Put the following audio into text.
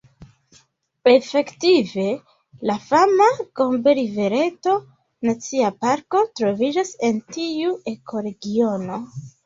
Efektive, la fama Gombe-rivereto Nacia Parko troviĝas en tiu ekoregiono.